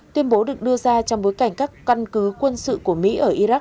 tuyên bố được đưa ra trong bối cảnh các căn cứ quân sự của mỹ ở iraq